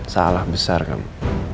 salah besar kamu